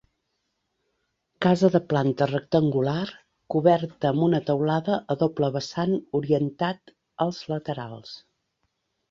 Casa de planta rectangular coberta amb una teulada a doble vessant orientat als laterals.